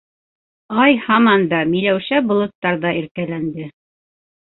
Ай һаман да миләүшә болоттарҙа иркәләнде.